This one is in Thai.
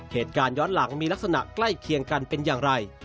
เหตุการณ์ย้อนหลังมีลักษณะใกล้เคียงกันเป็นอย่างไร